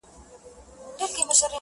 ويل باز به وي حتماً خطا وتلى؛